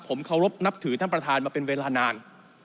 ผมเคารพนับถือท่านประธานมาเป็นเวลานาน